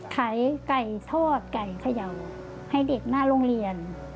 ไก่ทอดไก่เขย่าให้เด็กหน้าโรงเรียน